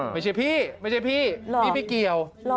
ไม่ใช่พี่ไม่ใช่พี่พี่เกี่ยว